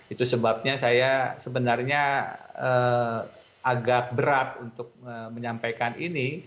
itu sebabnya saya sebenarnya agak berat untuk menyampaikan ini